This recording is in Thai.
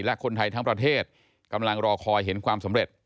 และคนไทยทั้งประเทศกำลังรอคอยเห็นความสำเร็จ